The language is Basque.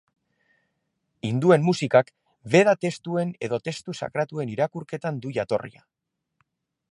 Hinduen musikak veda testuen edo testu sakratuen irakurketan du jatorria.